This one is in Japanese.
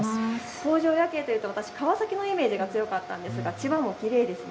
工場夜景といいますと川崎のイメージが強かったんですが千葉もきれいですね。